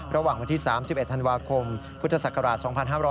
ระหว่างวันที่๓๑ธันวาคมพุทธศักราช๒๕๖๐